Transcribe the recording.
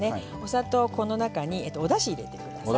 この中におだし入れてください。